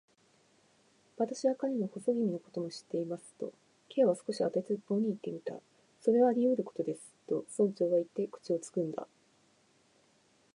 「私は彼の細君のことも知っています」と、Ｋ は少し当てずっぽうにいってみた。「それはありうることです」と、村長はいって、口をつぐんだ。